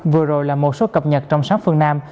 vừa rồi là một số cập nhật trong sáng phương nam